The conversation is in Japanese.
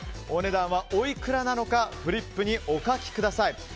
お値段はおいくらなのかフリップにお書きください。